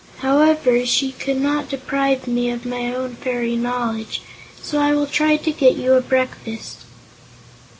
However, she could not deprive me of my own fairy knowledge, so I will try to get you a breakfast."